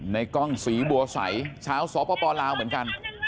ในกล้องสีบัวใสเช้าสวพพลาวเหมือนกัน